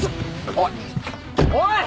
おいおい！